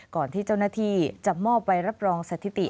ก่อนที่เจ้าหน้าที่จะมอบใบรับรองสถิติ